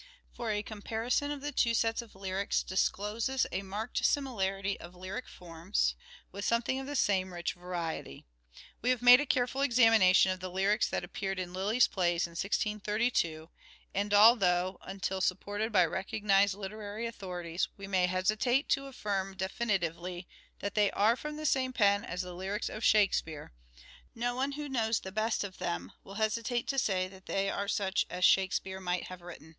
For a comparison of the two sets of lyrics discloses a marked similarity of lyric forms, with something of the same rich variety. We have made a careful examination of the lyrics that reappeared in Lyly's plays in 1632, and although, until supported MANHOOD OF DE VERE : MIDDLE PERIOD 333 by recognized literary authorities, we may hesitate to affirm definitively that they are from the same pen as the lyrics of " Shakespeare," no one who knows the best of them will hesitate to say that they are such as " Shakespeare " might have written.